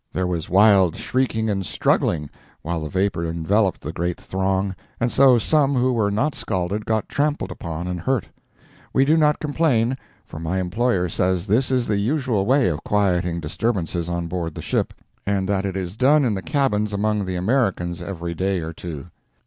There was wild shrieking and struggling while the vapour enveloped the great throng, and so some who were not scalded got trampled upon and hurt. We do not complain, for my employer says this is the usual way of quieting disturbances on board the ship, and that it is done in the cabins among the Americans every day or two.